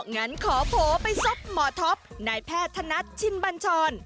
งั้นขอโผล่ไปซบหมอท็อปนายแพทย์ธนัดชินบัญชร